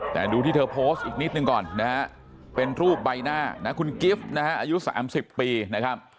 แต่ดูที่เธอโพสต์อีกนิดหนึ่งก่อนนะฮะเป็นรูปใบหน้านะคุณกิฟต์นะฮะอายุ๓๐ปีนะครับ